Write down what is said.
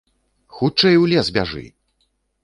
Хутчэй у лес бяжы!